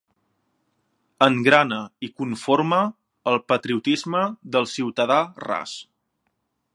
Engrana i conforma el patriotisme del ciutadà ras.